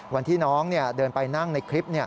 วันที่น้องเดินไปนั่งในคลิป